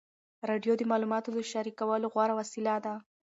راډیو د معلوماتو د شریکولو غوره وسیله ده.